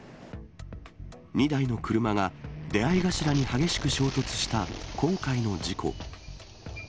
２台の車が出会い頭に激しく衝突した今回の事故。